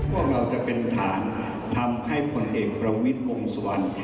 พวกเราจะเป็นฐานทำให้ผลเอกละวิชองสวร